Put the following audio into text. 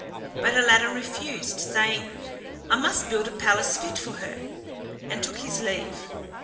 But Aladdin refused, saying, "I must build a palace fit for her," and took his leave.